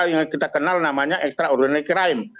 yang kita kenal namanya extraordinary crime